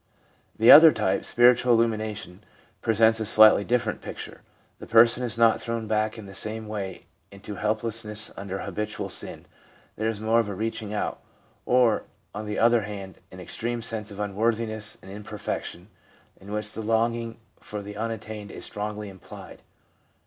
The other type, ' spiritual illumination/ presents a slightly different picture. The person is not thrown back in the same way into helplessness under habitual sin. There is more of a reaching out, or, on the other hand, an extreme sense of unworthiness and imperfec tion, in which the longing for the unattained is strongly implied.